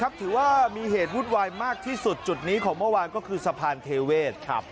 ถือว่ามีเหตุวุ่นวายมากที่สุดจุดนี้ของเมื่อวานก็คือสะพานเทเวศ